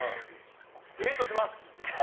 デートします！